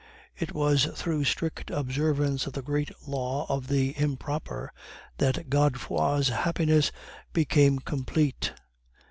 It was through strict observance of the great law of the _im_proper that Godefroid's happiness became complete.